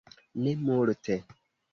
Ne multe.